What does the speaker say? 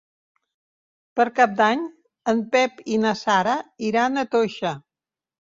Per Cap d'Any en Pep i na Sara iran a Toixa.